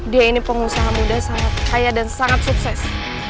dia ini pengusaha muda sangat kaya dan sangat sukses